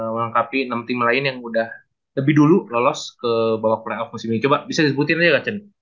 melengkapi enam tim lain yang udah lebih dulu lolos ke bawah playoff musim ini coba bisa disebutin aja